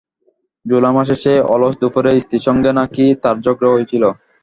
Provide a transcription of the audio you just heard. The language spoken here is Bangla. জুলাই মাসের সেই অলস দুপুরে স্ত্রীর সঙ্গে নাকি তার ঝগড়াও হয়েছিল।